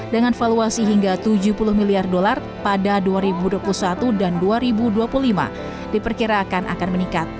dengan valuasi hingga tujuh puluh miliar dolar pada dua ribu dua puluh satu dan dua ribu dua puluh lima diperkirakan akan meningkat